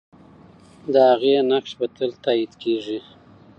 د هغې نقش به تل تایید کېږي.